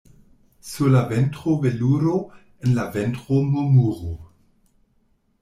Sur la ventro veluro, en la ventro murmuro.